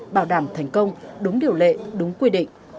bảo đảm thành công đúng điều lệ đúng quy định